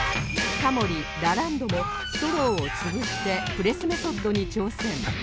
タモリラランドもストローを潰してプレスメソッドに挑戦